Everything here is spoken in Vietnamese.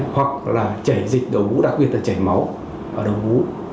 hoặc là chảy dịch đầu vú đặc biệt là chảy máu ở đầu vú